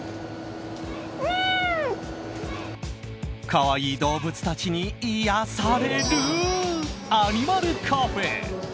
可愛い動物たちに癒やされるアニマルカフェ！